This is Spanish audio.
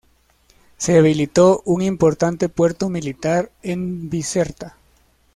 Se habilitó un importante puerto militar en Bizerta.